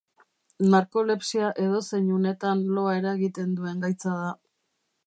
Narkolepsia edozein unetan loa eragiten duen gaitza da.